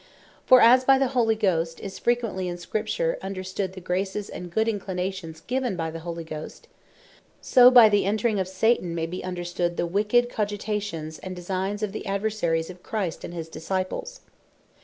For as by the Holy Ghost, is frequently in Scripture understood, the Graces and good Inclinations given by the Holy Ghost; so by the Entring of Satan, may bee understood the wicked Cogitations, and Designes of the Adversaries of Christ, and his Disciples.